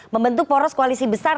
membentuk poros koalisi besar